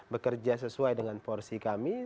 bekerja sesuai dengan porsi kami